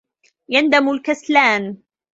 يَنْدَمُ الْكَسْلاَنُ.